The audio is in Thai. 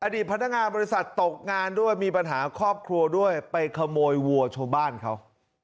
พนักงานบริษัทตกงานด้วยมีปัญหาครอบครัวด้วยไปขโมยวัวชาวบ้านเขา